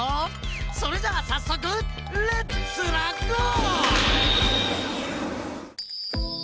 それじゃさっそくレッツラゴー！